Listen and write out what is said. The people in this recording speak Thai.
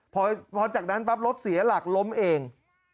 พอจากนั้นปั๊บรถเสียหลักล้มเอง